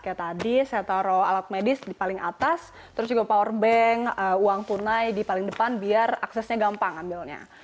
kayak tadi saya taruh alat medis di paling atas terus juga powerbank uang tunai di paling depan biar aksesnya gampang ambilnya